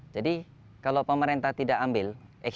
jadi kalau pemerintah tidak ambil